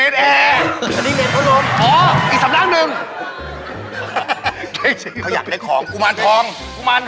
ที่สละบุรีอ่ะเณรพะลมอ่ะ